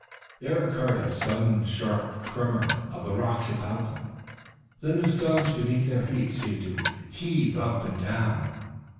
There occurred a sudden sharp tremor of the rocks about them; then the stones beneath their feet seemed to heave up and down.